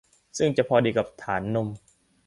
ซึ่งจะพอดีกับฐานนม